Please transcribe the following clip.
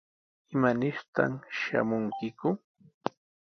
¿Imanirtaq shamunkiku?